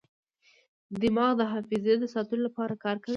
دماغ د حافظې د ساتلو لپاره کار کوي.